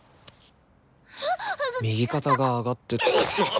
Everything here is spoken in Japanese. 右肩が上がって。